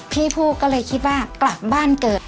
พี่ผู้ก็เลยคิดว่ากลับบ้านเกิด